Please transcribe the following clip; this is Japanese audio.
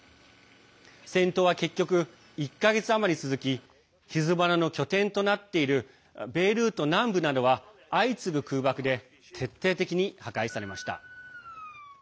戦闘は結局、１か月余り続きヒズボラの拠点となっているベイルート南部などは相次ぐ空爆で徹底的に破壊されました。